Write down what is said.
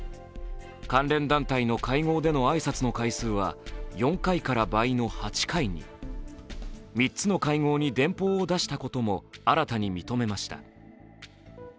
関連団体の会合での挨拶の回数は４回から倍の８回に、３つの会合に電報を出したことも新たに認めました。